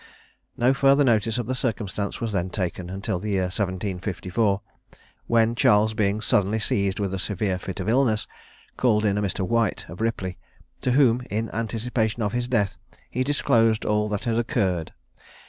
No further notice of the circumstance was then taken until the year 1754, when Charles being suddenly seized with a severe fit of illness, called in a Mr. White of Ripley, to whom, in anticipation of his death, he disclosed all that had occurred.